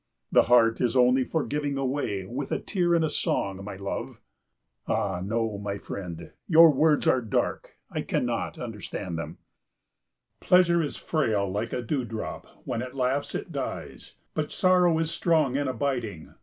"The heart is only for giving away with a tear and a song, my love." "Ah no, my friend, your words are dark, I cannot understand them." "Pleasure is frail like a dewdrop, while it laughs it dies. But sorrow is strong and abiding.